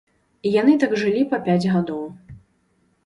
Яны так жылі па пяць гадоў.